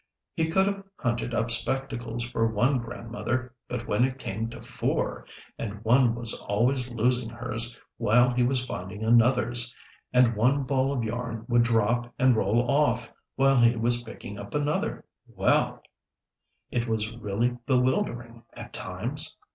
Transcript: He could have hunted up spectacles for one Grandmother, but when it came to four, and one was always losing hers while he was finding another's, and one ball of yarn would drop and roll off, while he was picking up another well, it was really bewildering at times.